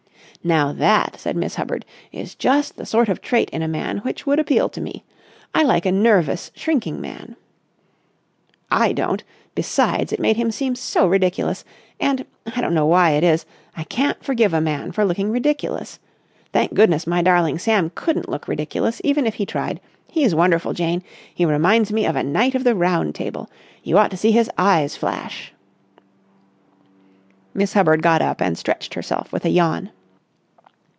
"Now that," said Miss Hubbard, "is just the sort of trait in a man which would appeal to me. I like a nervous, shrinking man." "I don't. Besides, it made him seem so ridiculous, and—I don't know why it is—I can't forgive a man for looking ridiculous. Thank goodness, my darling Sam couldn't look ridiculous, even if he tried. He's wonderful, Jane. He reminds me of a knight of the Round Table. You ought to see his eyes flash." Miss Hubbard got up and stretched herself with a yawn.